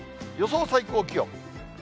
予想最高気温。